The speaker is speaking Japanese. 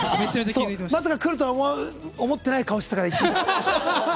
まさかくるとは思ってない顔してたから、いった。